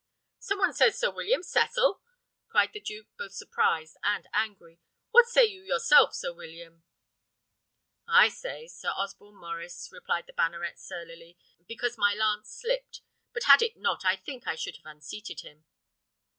"Some one says Sir William Cecil!" cried the duke, both surprised and angry. "What say you yourself, Sir William?" "I say, Sir Osborne Maurice," replied the banneret surlily, "because my lance slipped; but had it not, I think I should have unseated him."